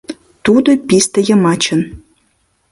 Тудо писте йымачын